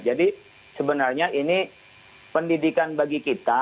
jadi sebenarnya ini pendidikan bagi kita